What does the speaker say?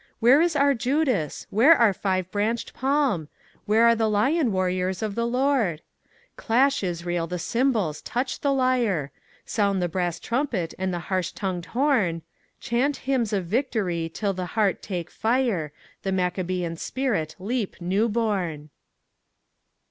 Where is our Judas? Where our five branched palm? Where are the lion warriors of the Lord? Clash, Israel, the cymbals, touch the lyre, Sound the brass trumpet and the harsh tongued horn, Chant hymns of victory till the heart take fire, The Maccabean spirit leap new born!